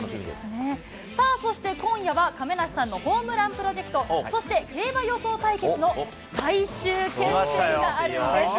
さあ、そして今夜は亀梨さんのホームランプロジェクト、そして競馬予想対決の最終決戦があるんです。